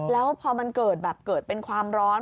แล้วพอมันเกิดแบบเกิดเป็นความร้อน